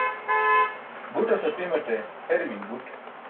Guṭas apimaṭe herimiṅ buṭ